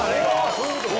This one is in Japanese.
そういうことか。